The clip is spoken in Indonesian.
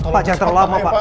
pak tolong cepat pak